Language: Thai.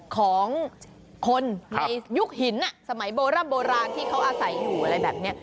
ของคนในยุคหินสมัยโบร่ำโบราณที่เขาอาศัยอยู่อะไรแบบนี้